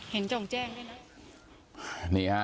เห็นจะห่วงแจ้งด้วยนะ